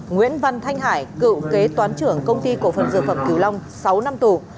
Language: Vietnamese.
nguyễn văn thanh hải cựu kế toán trưởng công ty cổ phần dược phẩm cửu long sáu năm tù